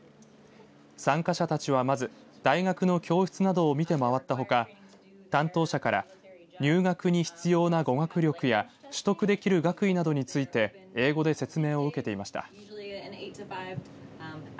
参加者たちはまず大学の教室などを見て回ったほか担当者から入学に必要な語学力や取得できる学位などについて英語で説明を受けていました。